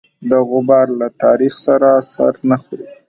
د غبار له تاریخ سره سر نه خوري.